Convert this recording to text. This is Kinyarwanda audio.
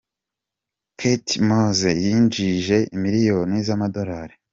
Kate Moss: yinjije miliyoni , z’amadorali.